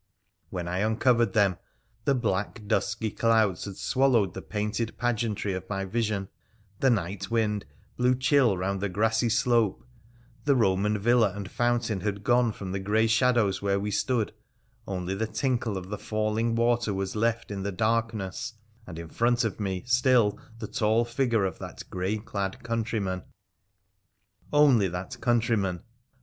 When I uncovered them the black dusky clouds had swallowed the painted pageantry of my vision, the night wind blew chill round the grassy slope ; the Eoman villa and fountain had gone from the grey shadows where we stood— only the tinkle of the falling water was left in the darkness, and in front of me still the tall figure of that grey clad countryman. Only that countryman